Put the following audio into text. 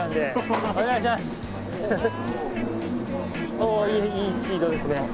おおいいいいスピードですね。